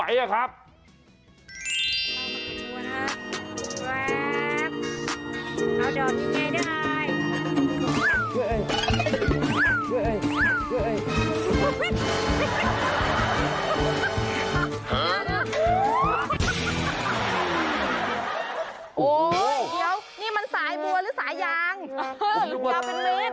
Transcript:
โอ้เดี๋ยวนี้มันสายบัวหรือสายยาง